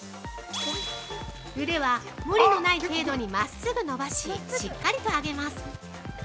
腕は、無理のない程度に真っすぐ伸ばし、しっかりと上げます。